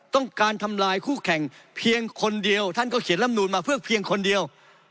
ต้องการทำลายคู่แข่งเพียงคนเดียวท่านก็เขียนลำนูนมาเพื่อเพียงคนเดียว